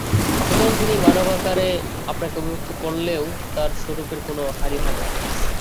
সুতরাং তিনি মানবাকারে আপনাকে অভিব্যক্ত করলেও তাঁর স্বরূপের কোন হানি হয় না।